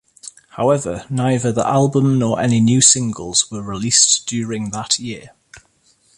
However, neither the album nor any new singles were released during that year.